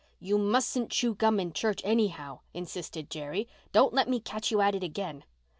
"You mustn't chew gum in church, anyhow," insisted Jerry. "Don't let me catch you at it again."